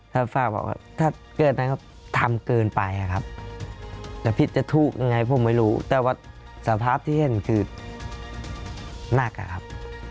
ถ้าเกิดนะครับทำเกินไปครับจะผิดจะถูกยังไงผมไม่รู้แต่ว่าสภาพที่เห็นคือน่ากลักครับ